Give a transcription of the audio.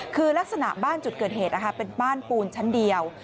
คือลักษณะบ้านจุดเกิดเหตุเป็นบ้านปูนชั้นเดียว